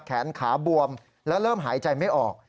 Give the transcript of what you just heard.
แขนขาบวมแล้วเริ่มหายใจไม่ออก